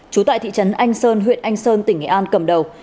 trú tại thị trấn anh sơn huyện anh sơn tỉnh nghệ an cầm đầu